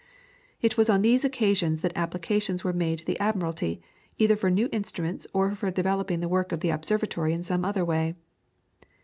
It was on these occasions that applications were made to the Admiralty, either for new instruments or for developing the work of the observatory in some other way.